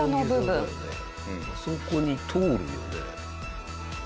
あそこに通るよね？